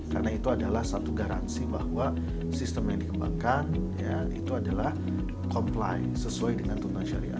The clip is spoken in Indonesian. karena itu adalah satu garansi bahwa sistem yang dikembangkan ya itu adalah comply sesuai dengan tuntuan syariah